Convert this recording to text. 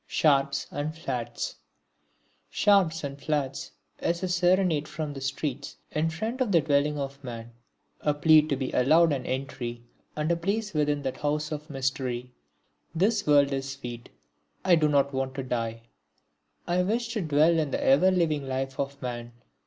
(44) Sharps and Flats Sharps and Flats is a serenade from the streets in front of the dwelling of man, a plea to be allowed an entry and a place within that house of mystery. This world is sweet, I do not want to die. I wish to dwell in the ever living life of Man.